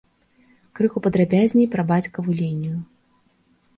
Крыху падрабязней пра бацькаву лінію.